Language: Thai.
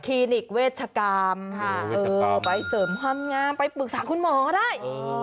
นิกเวชกรรมไปเสริมความงามไปปรึกษาคุณหมอได้